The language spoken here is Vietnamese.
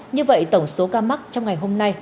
như vậy tổng số ca mắc trong ngày hôm nay